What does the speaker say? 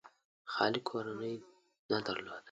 خالي کورنۍ نه درلوده.